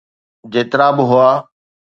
جيترا به هئا.